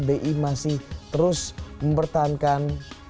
bi masih terus mempertahankan